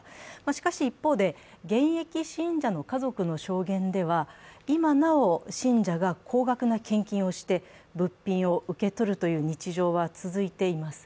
しかし一方で、現役信者の家族の証言では、今なお信者が高額な献金をして物品を受け取るという日常は続いています。